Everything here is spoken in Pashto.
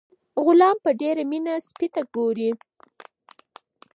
غلام په ډیره مینه سپي ته ګوري.